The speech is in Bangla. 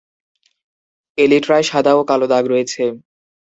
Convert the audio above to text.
এলিট্রায় সাদা ও কালো দাগ রয়েছে।